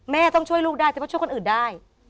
ต้องช่วยลูกได้แต่ว่าช่วยคนอื่นได้